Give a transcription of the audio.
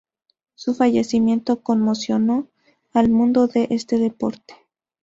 Su fallecimiento conmocionó al mundo de este deporte.